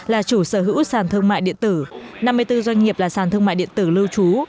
là chủ sở hữu sản thương mại điện tử năm mươi bốn doanh nghiệp là sản thương mại điện tử lưu trú